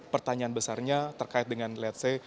pertanyaan besarnya terkait dengan let's say